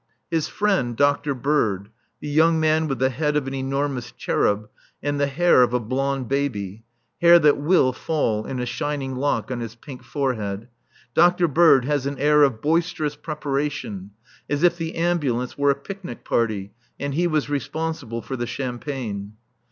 His friend, Dr. Bird, the young man with the head of an enormous cherub and the hair of a blond baby, hair that will fall in a shining lock on his pink forehead, Dr. Bird has an air of boisterous preparation, as if the ambulance were a picnic party and he was responsible for the champagne.